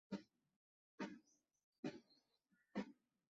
পরে ময়নাতদন্তের জন্য তার লাশ নাটোর সদর হাসপাতাল মর্গে পাঠানো হয়।